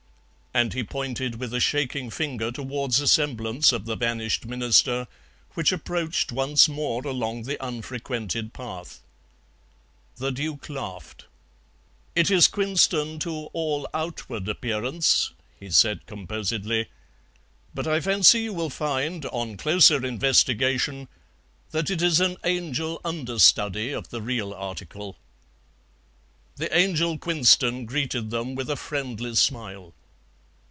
And he pointed with a shaking finger towards a semblance of the vanished Minister, which approached once more along the unfrequented path. The Duke laughed. "It is Quinston to all outward appearance," he said composedly, "but I fancy you will find, on closer investigation, that it is an angel understudy of the real article." The Angel Quinston greeted them with a friendly smile.